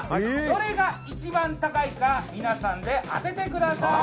どれが一番高いか皆さんで当ててください。